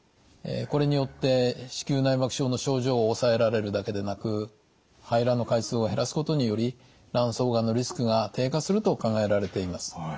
これによって子宮内膜症の症状を抑えられるだけでなく排卵の回数を減らすことにより卵巣がんのリスクが低下すると考えられています。